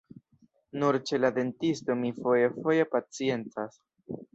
Nur ĉe la dentisto mi fojfoje pacientas.